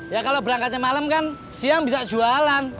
ya kalau berangkatnya malam kan siang bisa jualan